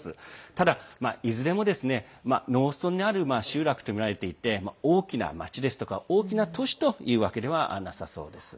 ただ、いずれも農村にある集落とみられていて大きな町や、都市というわけではなさそうです。